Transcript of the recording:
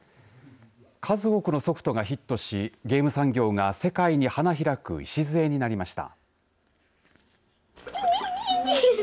数多くのソフトがヒットしゲーム産業が世界に花開く礎になりました。